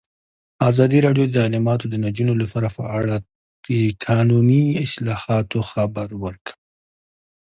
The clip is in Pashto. ازادي راډیو د تعلیمات د نجونو لپاره په اړه د قانوني اصلاحاتو خبر ورکړی.